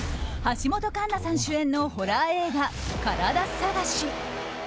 橋本環奈さん主演のホラー映画「カラダ探し」。